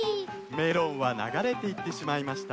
メロンはながれていってしまいました。